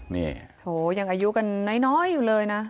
นี่โถยังอายุกันน้อยอยู่เลยนะ